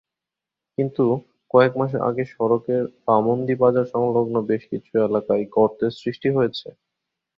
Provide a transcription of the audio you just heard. কিন্তু কয়েক মাস আগে সড়কের বামন্দী বাজারসংলগ্ন বেশ কিছু এলাকায় গর্তের সৃষ্টি হয়েছে।